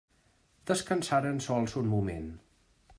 Descansaren sols un moment.